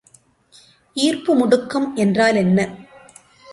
ஈர்ப்பு முடுக்கம் என்றால் என்ன?